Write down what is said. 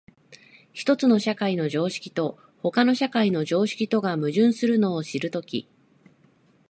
一つの社会の常識と他の社会の常識とが矛盾するのを知るとき、